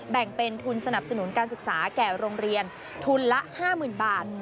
แบ่งเป็นทุนสนับสนุนการศึกษาแก่โรงเรียนทุนละ๕๐๐๐บาท